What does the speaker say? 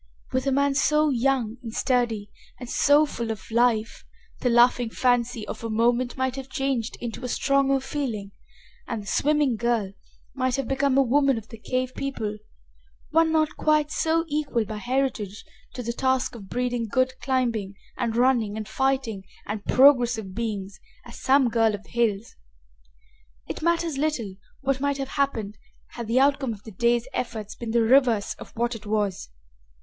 With a man so young and sturdy and so full of life the laughing fancy of a moment might have changed into a stronger feeling and the swimming girl might have become a woman of the cave people, one not quite so equal by heritage to the task of breeding good climbing and running and fighting and progressive beings as some girl of the hills. It matters little what might have happened had the outcome of the day's effort been the reverse of what it was.